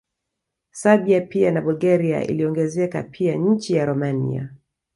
Serbia pia na Bulgaria iliongezeka pia nchi ya Romania